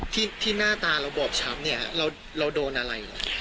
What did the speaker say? ที่หน้าตาเราบอบช้ำเนี่ยเราโดนอะไร